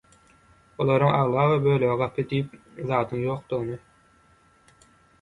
Olaryň aglaba bölegi gapy diýip zadyň ýokdugyny